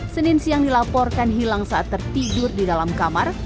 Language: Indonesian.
senin siang dilaporkan hilang saat tertidur di dalam kamar